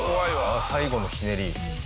あの最後のひねり。